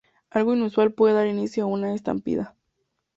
Algo inusual puede dar inicio a una estampida.